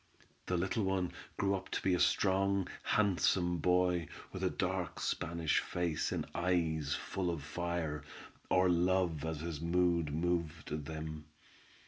The little one grew to be a strong, handsome boy, with a dark Spanish face, and eyes full of fire, or love as his mood moved them.